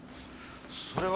それは。